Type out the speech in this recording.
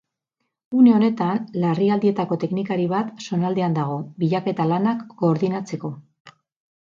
Une honetan larrialdietako teknikari bat zonaldean dago, bilaketa lanak koordinatzeko.